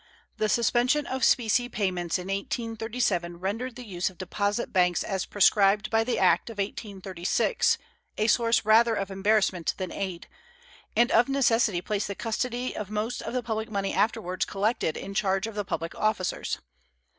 The suspension of specie payments in 1837 rendered the use of deposit banks as prescribed by the act of 1836 a source rather of embarrassment than aid, and of necessity placed the custody of most of the public money afterwards collected in charge of the public officers.